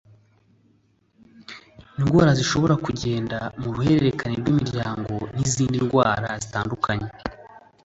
indwara zishobora kugenda mu ruhererekane rw’imiryango n’izindi ndwara zitandukanye